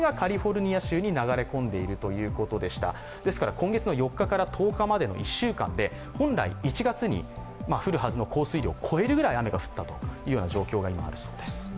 今月４日から１０日までの１週間で本来１月に降るはずの降水量を超えるくらい雨が降った状況があるそうです。